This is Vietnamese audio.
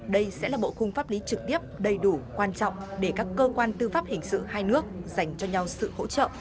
đây sẽ là bộ khung pháp lý trực tiếp đầy đủ quan trọng để các cơ quan tư pháp hình sự hai nước dành cho nhau sự hỗ trợ